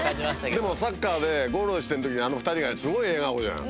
でもサッカーでゴールしてる時あの２人がすごい笑顔じゃない。